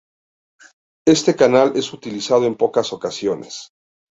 Este canal es utilizado en pocas ocasiones.